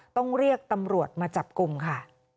ต้องเรียกตำรวจมาจับกลุ่มค่ะ